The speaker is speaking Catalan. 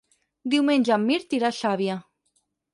Diumenge en Mirt irà a Xàbia.